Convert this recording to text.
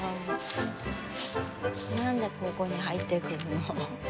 何でここに入ってくるの？